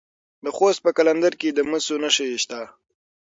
د خوست په قلندر کې د مسو نښې شته.